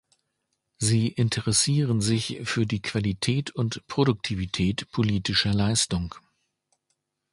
Sie interessieren sich für die Qualität und Produktivität politischer Leistung.